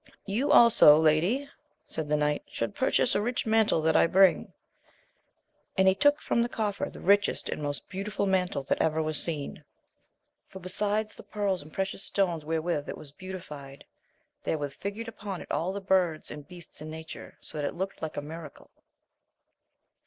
You also, lady, said the knight, should purchase a rich jtnantle that 1 bimg; *,— 2biA\v^ \»ciSi*&.^Qrai "^^ vjrJ^^x Sk^^ AMADIS OF GAUL 165 richest and most beautiful mantle that ever was seen ; for, besides the pearls and precious stones wherewith it was beautified, there were figured upon it all the birds and beasts in nature, so that it looked like a miracle.